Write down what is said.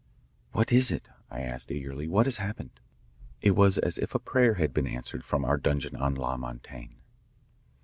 "What is it?" I asked eagerly. "What has happened?" It was as if a prayer had been answered from our dungeon on La Montaigne.